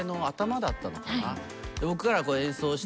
僕らが演奏して。